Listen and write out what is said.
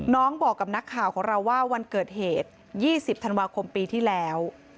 บอกกับนักข่าวของเราว่าวันเกิดเหตุ๒๐ธันวาคมปีที่แล้ว